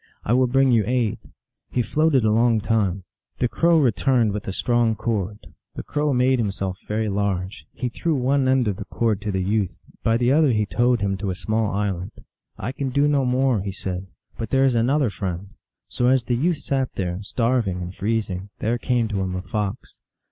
I will bring you aid." He floated a long time. The Crow re turned with a strong cord; the Crow made himself very large ; he threw one end of the cord to the youth ; by the other he towed him to a small island. " I can do no more," he said ;" but there is another friend." So as the youth sat there, starving and freezing, there came to him a Fox.